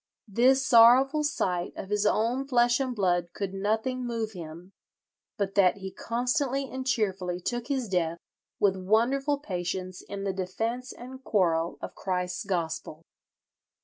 This sorrowful sight of his own flesh and blood could nothing move him, but that he constantly and cheerfully took his death with wonderful patience in the defence and quarrel of Christ's gospel."